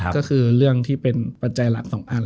ก็คือเรื่องที่เป็นปัจจัยหลัก๒อัน